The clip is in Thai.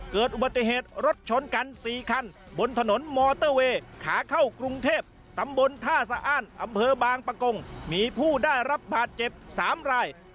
เกิดอุบัติเหตุรถชนกัน๔คันบนถนนมอเตอร์เวย์ขาเข้ากรุงเทพตำบลท่าสะอ้านอำเภอบางปะกงมีผู้ได้รับบาดเจ็บ๓ราย